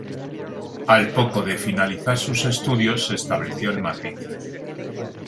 Al poco de finalizar sus estudios se estableció en Madrid.